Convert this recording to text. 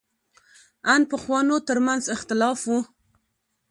ان پخوانو تر منځ اختلاف و.